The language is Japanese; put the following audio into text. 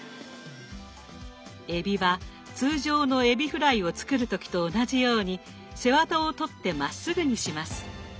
えびは通常のえびフライを作る時と同じように背ワタを取ってまっすぐにします。